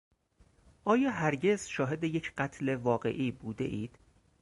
آیا هرگز شاهد یک قتل واقعی بودهاید؟